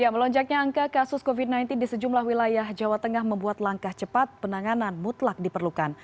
melonjaknya angka kasus covid sembilan belas di sejumlah wilayah jawa tengah membuat langkah cepat penanganan mutlak diperlukan